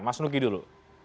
mas nugi dulu